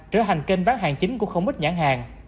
trở thành kênh bán hàng chính của không ít nhãn hàng